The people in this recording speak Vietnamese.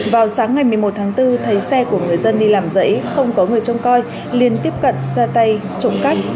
vào sáng ngày một mươi một tháng bốn thấy xe của người dân đi làm dãy không có người trông coi liên tiếp cận ra tay trộm cắp